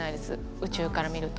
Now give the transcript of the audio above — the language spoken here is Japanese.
宇宙から見ると。